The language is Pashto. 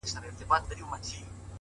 انسان د خپلې ژمنې په اندازه لوی وي؛